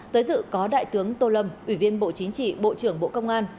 tới dự có đại tướng tô lâm ủy viên bộ chính trị bộ trưởng bộ công an